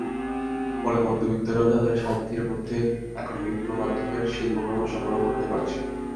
ফলে মধ্যবিত্তরাও তাদের সাধ্যের মধ্যে এখন বিভিন্ন মাধ্যমের শিল্পকর্ম সংগ্রহ করতে পারছেন।